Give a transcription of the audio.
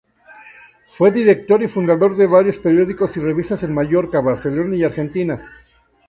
Fue director y fundador de varios periódicos y revistas en Mallorca, Barcelona y Argentina.